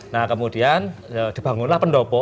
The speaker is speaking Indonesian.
nah kemudian dibangunlah pendopo